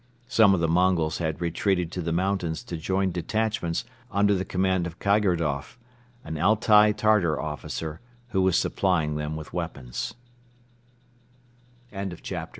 Some of the Mongols had retreated to the mountains to join detachments under the command of Kaigordoff, an Altai Tartar officer who was supplying them with w